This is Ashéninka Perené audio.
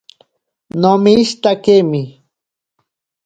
Nomishitakemi.